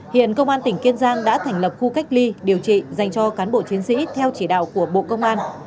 hiện công an tỉnh kiên giang đã thành lập khu cách ly điều trị dành cho cán bộ chiến sĩ theo chỉ đạo của bộ công an